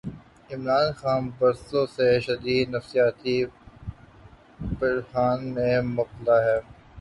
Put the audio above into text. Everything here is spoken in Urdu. عمران خان برسوں سے شدید نفسیاتی بحران میں مبتلا ہیں۔